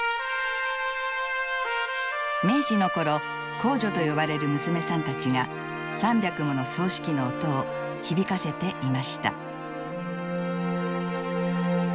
明治の頃工女と呼ばれる娘さんたちが３００もの繰糸機の音を響かせていました。